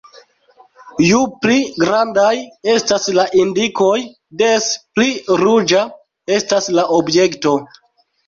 Ju pli grandaj estas la indikoj des pli ruĝa estas la objekto.